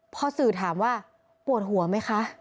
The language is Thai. พอสื่อถามว่าปวดหัวไหมคะ